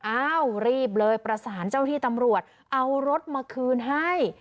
อ้าวรีบเลยประสานเจ้าที่ตำรวจเอารถมาคืนให้